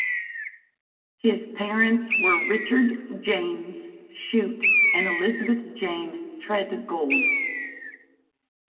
His parents were Richard James Shute and Elizabeth Jane Treadgold.